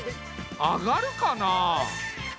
あがるかな？